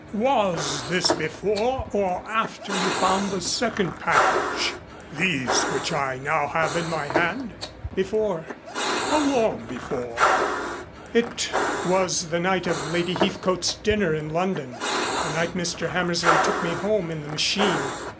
"Was this before or after you found the second package these which I now have in my hand?" "Before." "How long before?" "It was the night of Lady Heathcote's dinner in London the night Mr. Hammersley took me home in the machine."